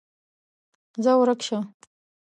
ځه ورک شه!